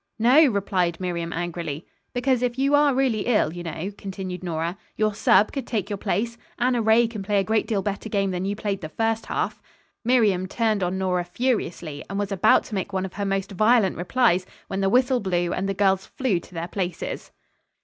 "No," replied Miriam angrily. "Because, if you are really ill, you know," continued Nora, "your sub. could take your place. Anna Ray can play a great deal better game than you played the first half." Miriam turned on Nora furiously, and was about to make one of her most violent replies, when the whistle blew and the girls flew to their places.